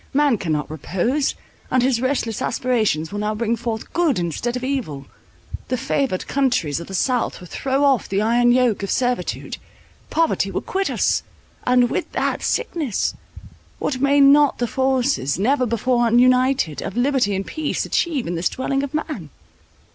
Man cannot repose, and his restless aspirations will now bring forth good instead of evil. The favoured countries of the south will throw off the iron yoke of servitude; poverty will quit us, and with that, sickness. What may not the forces, never before united, of liberty and peace achieve in this dwelling of man?"